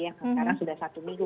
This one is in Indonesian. yang sekarang sudah satu minggu